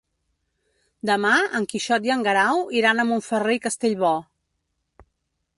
Demà en Quixot i en Guerau iran a Montferrer i Castellbò.